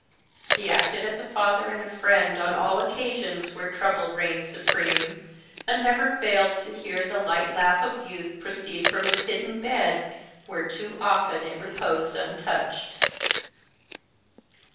He acted as a father and friend on all occasions where trouble reigned supreme, and never failed to hear the light laugh of youth proceed from its hidden bed, where it too often reposed untouched.